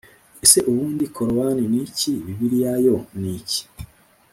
ese ubundi korowani ni iki, bibiliya yo ni iki?